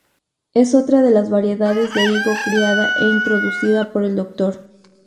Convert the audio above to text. Es otra de las variedades de higo criada e introducida por el Dr.